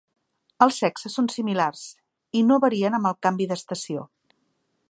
Els sexes són similars, i no varien amb el canvi d'estació.